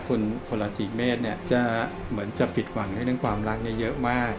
คนละสี่เมฆจะผิดหวังเรื่องความรักเยอะมาก